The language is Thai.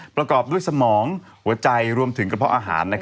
ประกอบด้วยสมองหัวใจรวมถึงกระเพาะอาหาร